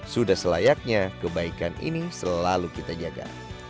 sudah selayaknya kebaikan ini selalu kita jaga